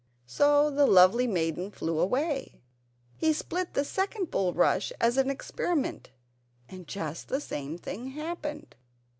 So the lovely maiden flew away. He split the second bulrush as an experiment and just the same thing happened.